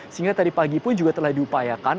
sehingga tadi pagi pun juga telah diupayakan